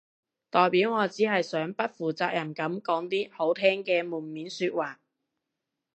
代表我只係想不負責任噉講啲好聽嘅門面說話